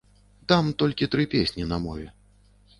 Там толькі тры песні на мове.